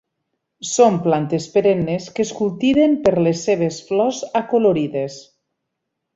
Són plantes perennes que es cultiven per les seves flors acolorides.